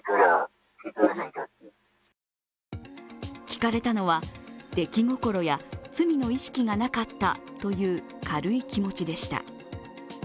聴かれたのは、出来心や罪の意識がなかったという軽い気持ちでした。